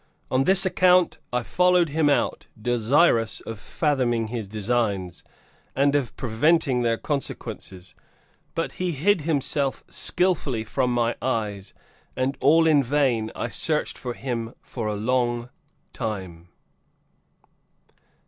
On this account, I followed him out, desirous of fathoming his designs and of preventing their consequences, but he hid himself skillfully from my eyes, and all in vain, I searched for him for a long time.)